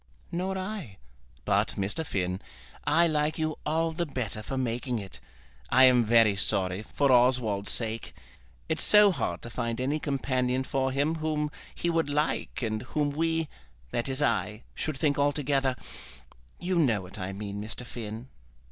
"Nor I; but, Mr. Finn, I like you all the better for making it. I am very sorry, for Oswald's sake. It's so hard to find any companion for him whom he would like and whom we, that is I, should think altogether ; you know what I mean, Mr. Finn."